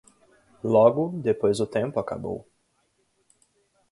Logo depois o tempo acabou.